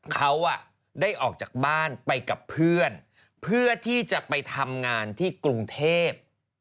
เขาได้ออกจากบ้านไปกับเพื่อนเพื่อที่จะไปทำงานที่กรุงเทพ